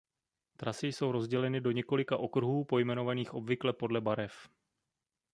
Trasy jsou rozděleny do několika okruhů pojmenovaných obvykle podle barev.